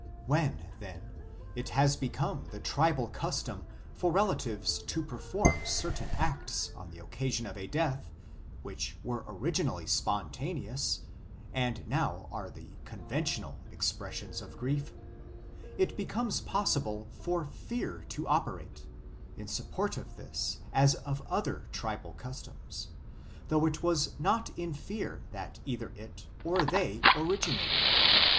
... When, then, it has become the tribal custom for relatives to perform certain acts, on the occasion of a death, which were originally spontaneous and now are the conventional expressions of grief, it becomes possible for fear to operate, in support of this as of other tribal customs, though it was not in fear that either it or they originated.